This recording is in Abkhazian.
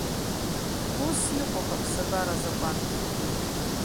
Ус иҟоуп аԥсабара азакәан…